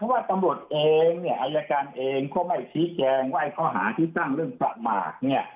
ว่าตำรวจเองเนี่ยอายการเองก็ไม่ชี้แจงว่าข้อหาที่ตั้งเรื่องประมาทเนี่ย